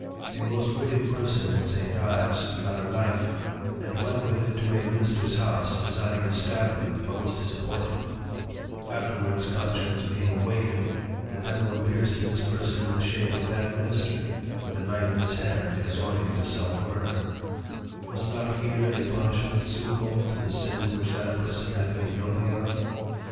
A most wicked Person in St. Ives, got a Knife, and went with it to a Ministers House, designing to stab him, but was disappointed; afterwards Conscience being awakened, the Devil appears to this Person in the Shape of that Minister, with a Knife in his hand exhorting to Self murder: Was not here a Punishment suitable to the Sin which that Person had been guilty of?